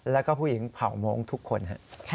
แล้วก็ผู้หญิงเผ่าโม้งทุกคน